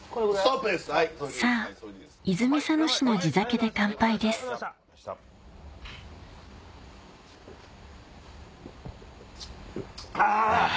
さぁ泉佐野市の地酒で乾杯ですあ！